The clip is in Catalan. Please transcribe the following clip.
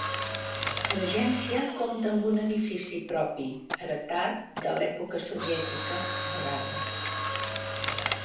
L'agència compta amb un edifici propi, heretat de l'època soviètica vegades.